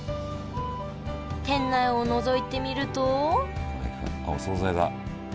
店内をのぞいてみるとあっお総菜だ。